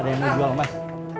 ada yang mau jual emas